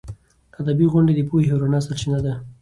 ادبي غونډې د پوهې او رڼا سرچینه ده.